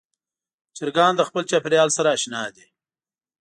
چرګان د خپل چاپېریال سره اشنا دي.